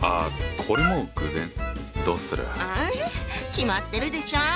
決まってるでしょ！